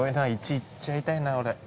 「一」いっちゃいたいな俺。